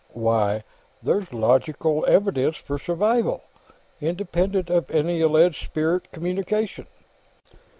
Why, there's logical evidence for survival, independent of any alleged spirit communication!